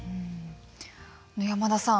山田さん